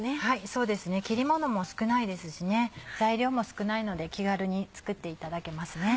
そうですね切りものも少ないですし材料も少ないので気軽に作っていただけますね。